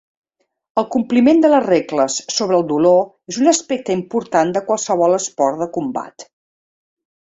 El compliment de les regles sobre el dolor és un aspecte important de qualsevol esport de combat.